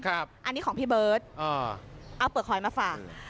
อันนี้ของพี่เบิร์ตเอาเปลือกหอยมาฝาก